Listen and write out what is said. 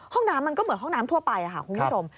ห้องน้ำมันก็เหมือนห้องน้ำทั่วไปค่ะคุณผู้ชม